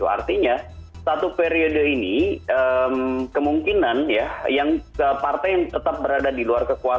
artinya satu periode ini kemungkinan partai yang tetap berada di luar keseluruhan